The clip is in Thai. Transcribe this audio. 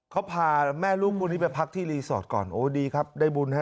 เขาพาแม่ลูกคู่นี้ไปพักที่รีสอร์ทก่อนโอ้ดีครับได้บุญฮะ